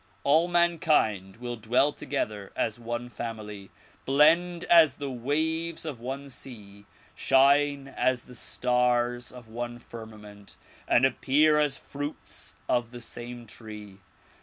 All mankind will dwell together as one family, blend as the waves of one sea, shine as stars of one firmament and appear as fruits of the same tree.